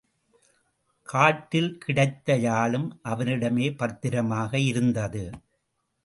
காட்டில் கிடைத்த யாழும் அவனிடமே பத்திரமாக இருந்தது.